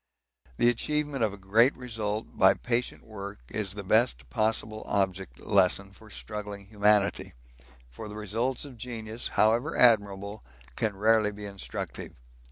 The achievement of a great result by patient work is the best possible object lesson for struggling humanity, for the results of genius, however admirable, can rarely be instructive.